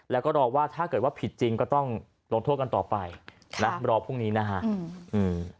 แล้วก็รอว่าถ้าเกิดว่าผิดจริงก็ต้องลงโทษกันต่อไปนะรอพรุ่งนี้นะฮะอืม